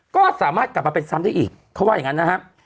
ก็สามารถกลับมาเป็นซ้ำได้อีกเขาว่าอย่างนั้นนะครับ